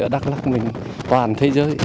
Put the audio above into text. ở đắk lắc toàn thế giới